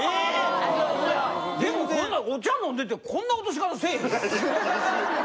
・ああ・でもこんなんお茶飲んでてこんな落とし方せえへんやん。